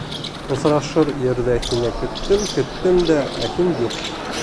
Осрашыр ерҙә һине көттөм-көттөм дә, ә һин юҡ.